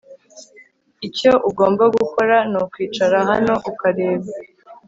Icyo ugomba gukora nukwicara hano ukareba